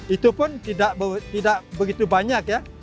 itu pun tidak begitu banyak ya